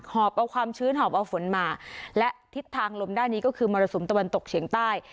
อบเอาความชื้นหอบเอาฝนมาและทิศทางลมด้านนี้ก็คือมรสุมตะวันตกเฉียงใต้